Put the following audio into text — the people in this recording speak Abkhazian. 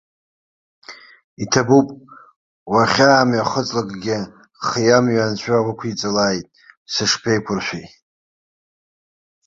Иҭабуп, уахьаамҩахыҵлакгьы хиамҩа анцәа уқәиҵалааит, сышԥеиқәуршәеи!